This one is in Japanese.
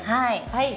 はい！